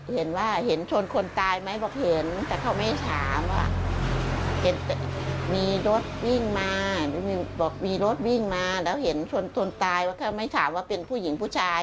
เห็นว่าเห็นชนคนตายไหมบอกเห็นแต่เขาไม่ถามว่ามีรถวิ่งมาบอกมีรถวิ่งมาแล้วเห็นชนคนตายว่าเขาไม่ถามว่าเป็นผู้หญิงผู้ชาย